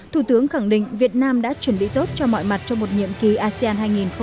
thủ tướng khẳng định việt nam đã chuẩn bị tốt cho mọi mặt trong một nhiệm ký asean hai nghìn hai mươi